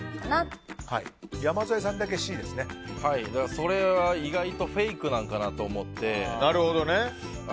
それは意外とフェイクなんかなと思って。